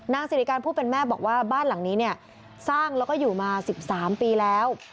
สิริการผู้เป็นแม่บอกว่าบ้านหลังนี้เนี่ยสร้างแล้วก็อยู่มา๑๓ปีแล้ว